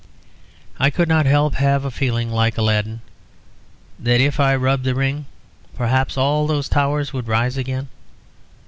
I could not help having a feeling, like Aladdin, that if I rubbed the ring perhaps all those towers would rise again.